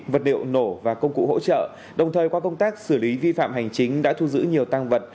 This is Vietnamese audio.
vật liệu nổ và công cụ hỗ trợ đồng thời qua công tác xử lý vi phạm hành chính đã thu giữ nhiều tăng vật